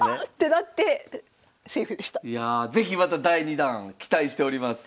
いや是非また第２弾期待しております。